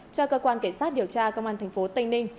cho cơ quan cảnh sát điều tra công an tp tây ninh